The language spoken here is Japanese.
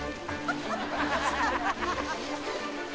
ハハハハ！